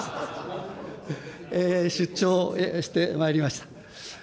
出張してまいりました。